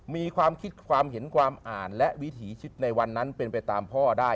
มีความคิดความเห็นความอ่านและวิถีชีวิตในวันนั้นเป็นไปตามพ่อได้